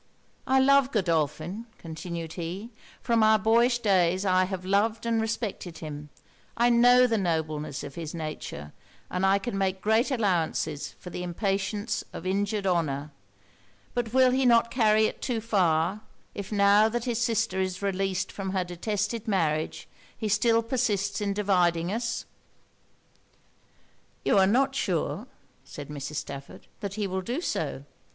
I love Godolphin,' continued he 'from our boyish days I have loved and respected him. I know the nobleness of his nature, and I can make great allowances for the impatience of injured honour. But will he not carry it too far, if now that his sister is released from her detested marriage he still persists in dividing us?' 'You are not sure,' said Mrs. Stafford, 'that he will do so.